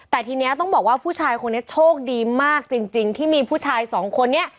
แต่ทีนี้ต้องบอกว่าผู้ชายคนนี้โชคดีมากจริงที่มีผู้ชายสองคนนี้